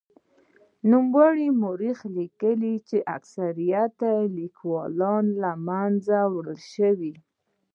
نوموړی مورخ لیکي چې اکثر لیکونه له منځه وړل شوي.